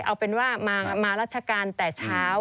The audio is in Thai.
เอาเป็นว่ามาราชการแต่เช้า